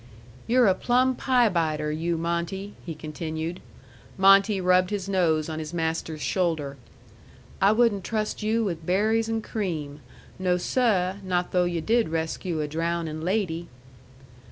"You're a plumb pie biter you Monte," he continued. Monte rubbed his nose on his master's shoulder. "I wouldn't trust you with berries and cream. No, seh; not though yu' did rescue a drownin' lady."